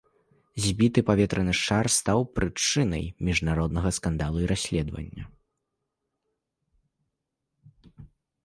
Збіты паветраны шар стаў прычынай міжнароднага скандалу і расследавання.